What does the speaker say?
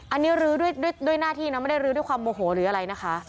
อันนี้ลื้อด้วยหน้าที่นะไม่ได้ลื้อด้วยความโมโหหรืออะไรนะคะ